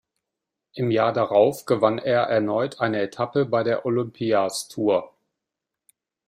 Im Jahr darauf gewann er erneut eine Etappe bei der "Olympia’s Tour".